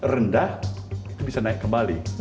rendah itu bisa naik kembali